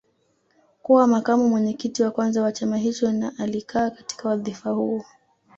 Kuwa makamu mwenyekiti wa kwanza wa chama hicho na alikaa katika wadhifa huo